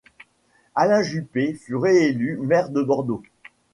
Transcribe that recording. Alain Juppé fut réélu maire de Bordeaux.